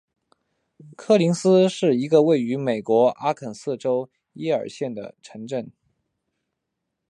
科林斯是一个位于美国阿肯色州耶尔县的城镇。